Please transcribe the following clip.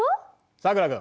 さくら君。